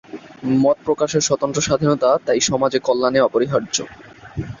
মত প্রকাশের স্বতন্ত্র স্বাধীনতা তাই সমাজের কল্যাণে অপরিহার্য।